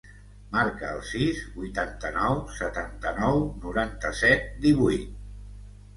Marca el sis, vuitanta-nou, setanta-nou, noranta-set, divuit.